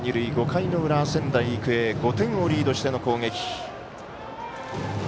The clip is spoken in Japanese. ５回の裏、仙台育英５点をリードしての攻撃。